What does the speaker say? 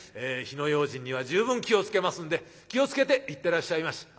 火の用心には十分気を付けますんで気を付けて行ってらっしゃいまし」。